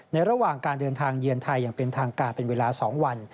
ระหว่างการเดินทางเยือนไทยอย่างเป็นทางการเป็นเวลา๒วัน